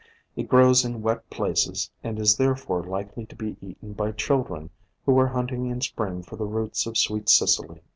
It grows in wet places, and is therefore likely to be eaten by children who are hunting in Spring for the roots of Sweet Cicely.